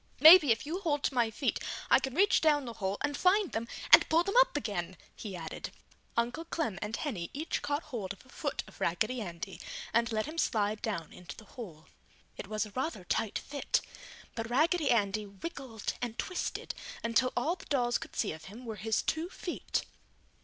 "Maybe if you hold to my feet, I can reach down the hole and find them and pull them up again!" he added. Uncle Clem and Henny each caught hold of a foot of Raggedy Andy and let him slide down into the hole. It was a rather tight fit, but Raggedy Andy wiggled and twisted until all the dolls could see of him were his two feet.